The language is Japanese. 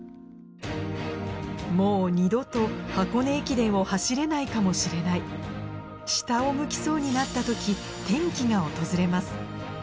もう二度と箱根駅伝を走れないかもしれない下を向きそうになった時転機が訪れます